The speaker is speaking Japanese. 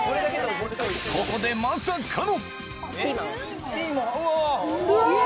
ここでまさかの。